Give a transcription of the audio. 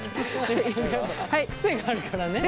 癖があるからね。